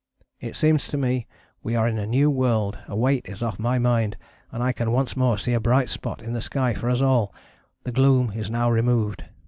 It seems to me we are in a new world, a weight is off my mind and I can once more see a bright spot in the sky for us all, the gloom is now removed.